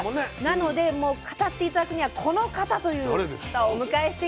なのでもう語って頂くにはこの方という方をお迎えしています。